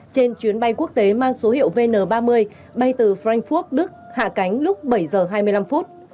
trên chuyến bay quốc tế mang số hiệu vn ba mươi bay từ frankfurt đức hạ cánh lúc bảy giờ hai mươi năm phút